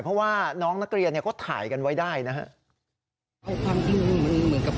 เพราะว่าน้องนักเรียนก็ถ่ายกันไว้ได้นะครับ